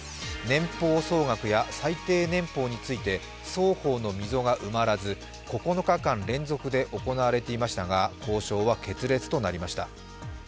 年俸総額や最低年俸について、双方の溝が埋まらず、９日間連続で行われていましたが交渉は決裂となりました。